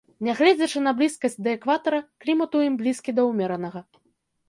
Нягледзячы на блізкасць да экватара, клімат у ім блізкі да ўмеранага.